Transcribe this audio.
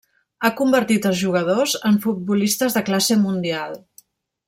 Ha convertit els jugadors en futbolistes de classe mundial.